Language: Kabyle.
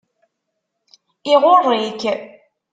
Iɣurr-ik.